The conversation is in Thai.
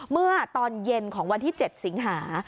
เมื่อตอนเย็นของวันที่๗สิงหา